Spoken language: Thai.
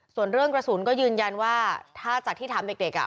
ส่วนเรื่องกระสุนก็ยืนยันว่าถ้าจากที่ถามเด็กอ่ะ